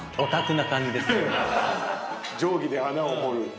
定規で穴を彫る。